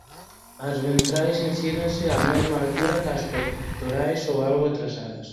As ventrais insírense á mesma altura cás pectorais ou algo atrasadas.